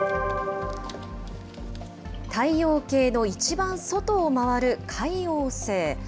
太陽系の一番外を回る海王星。